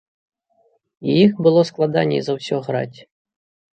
І іх было складаней за ўсё граць.